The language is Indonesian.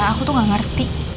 aku tuh gak ngerti